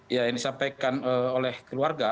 yang disampaikan oleh keluarga